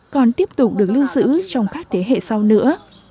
còn tiếp tục được lưu giữ trong các thế hệ sau nữa